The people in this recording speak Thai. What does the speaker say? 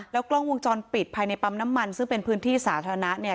ที่มีปั๊มน้ำมันซึ่งเป็นพื้นที่สาธารณะเนี่ย